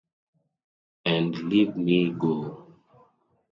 And leave me go.